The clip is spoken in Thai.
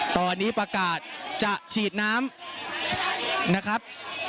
ตอนนี้ประกาศจะฉีดน้ำนะครับ